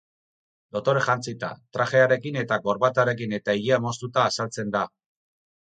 Dotore jantzita, trajearekin eta gorbatarekin eta ilea moztuta azaltzen da.